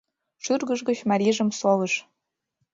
Шӱргыж гыч марийжым совыш: